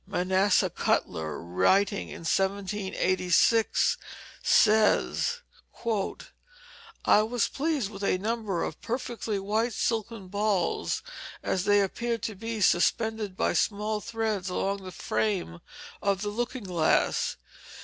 Manasseh Cutler, writing in 1786, says: "I was pleased with a number of perfectly white silken balls, as they appeared to be, suspended by small threads along the frame of the looking glass.